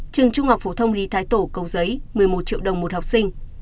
trường trung học phổ thông lý thái tổ cầu giấy một mươi một triệu đồng một học sinh